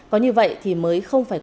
có như vậy thì mới không phải